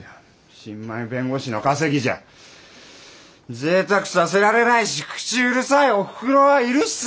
新米弁護士の稼ぎじゃぜいたくさせられないし口うるさいおふくろはいるしさ。